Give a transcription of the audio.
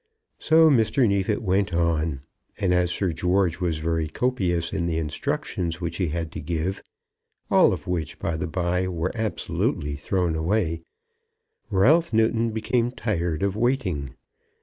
So Mr. Neefit went on, and as Sir George was very copious in the instructions which he had to give, all of which, by the bye, were absolutely thrown away, Ralph Newton became tired of waiting.